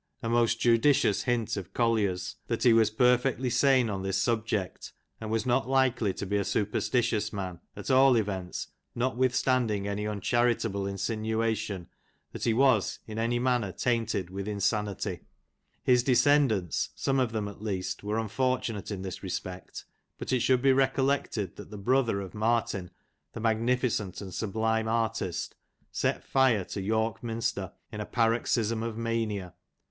Mary. — Like enough : for it's a foul life to love those that subject, and was not likely to be a superstitious man, at all events, notwith standing any uncharitable insinuation, that he was in any manner tainted with insanity. His descendants, some of them at least, were unfortunate in this respect, but it should be recollected that the brother of Martin, the magnificent and sublime artist, set fire to York Minster, in a paroxysm of mania.